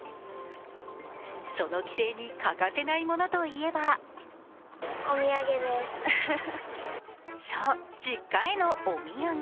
その帰省に欠かせないものといえばそう、実家へのお土産。